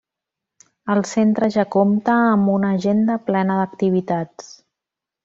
El Centre ja compta amb una agenda plena d'activitats.